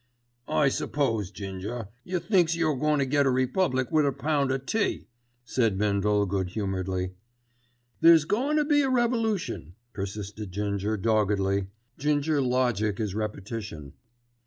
"'I s'pose, Ginger, yer thinks you're goin' to get a republic with a pound o' tea," said Bindle good humouredly. "There's goin' to be a revolution," persisted Ginger doggedly. Ginger logic is repetition.